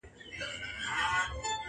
د سوال یاري ده اوس به دړي وړي سینه!